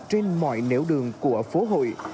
trên mọi nẻo đường của phố hội